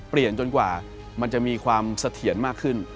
จนกว่ามันจะมีความเสถียรมากขึ้น